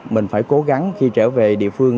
mình phải cố gắng khi trở về địa phương